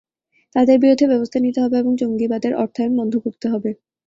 তাঁদের বিরুদ্ধে ব্যবস্থা নিতে হবে এবং জঙ্গিবাদের অর্থায়ন বন্ধ করতে হবে।